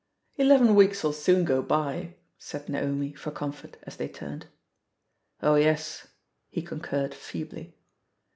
"Eleven weeks'U soon go by," said Naomi for comfort, as they turned. "Oh yes," he concinred feebly.